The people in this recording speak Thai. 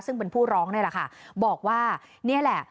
ซึ่งเป็นผู้ร้องนี่แหละค่ะบอกว่านี่แหละ